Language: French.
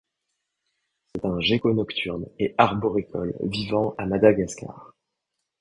C'est un gecko nocturne et arboricole vivant à Madagascar.